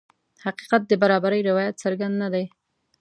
حقیقت د برابرۍ روایت څرګند نه دی.